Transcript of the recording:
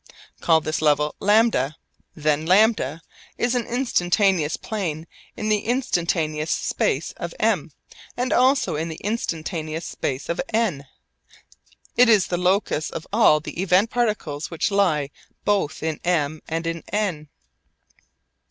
Call this level λ. Then λ is an instantaneous plane in the instantaneous space of M and also in the instantaneous space of N. It is the locus of all the event particles which lie both in M and in N.